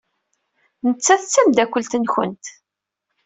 Nettat d tameddakelt-nwent.